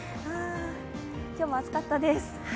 今日も暑かったです。